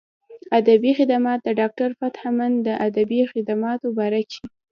ادبي خدمات د ډاکټر فتح مند د ادبي خدماتو باره کښې